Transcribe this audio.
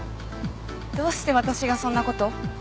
どうして私がそんな事を？